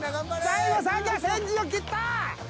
大悟さんが先陣を切った！